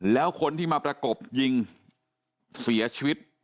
แล้วคนที่มาประกบยิงเสียชีวิต